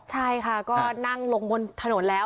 ใช่ค่ะก็นั่งลงบนถนนแล้ว